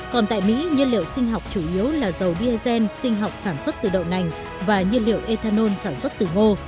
còn tại mỹ nhiên liệu sinh học chủ yếu là dầu diesel sinh học sản xuất từ đậu nành và nhiên liệu ethanol sản xuất từ ngô